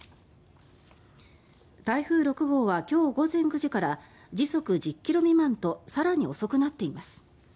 台風６号は今日午前９時から時速１０ｋｍ未満と更に遅くなっています。